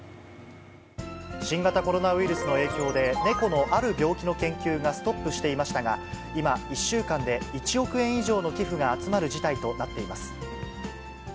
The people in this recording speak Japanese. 新型コロナウイルスの影響で、猫のある病気の研究がストップしていましたが、今、１週間で１億円以上の寄付が集まる事態となっています。